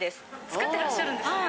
作ってらっしゃるんですね。